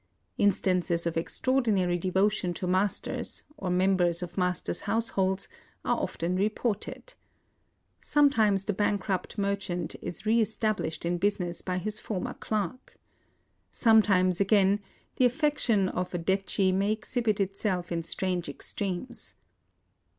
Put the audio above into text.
Instances of extraordinary devotion to masters, or members of masters' households, are often reported. Sometimes the bankrupt merchant is reestab lished in business by his former clerk. Some times, again, the affection of a detchi may exhibit itself in strange extremes.